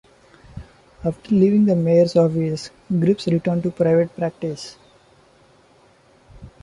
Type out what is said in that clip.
After leaving the mayor's office, Gribbs returned to private practice.